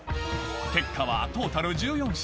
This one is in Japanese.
結果はトータル１４品